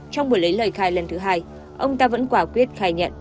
trong buổi lấy lời khai lần thứ hai ông ta vẫn quả quyết khai nhận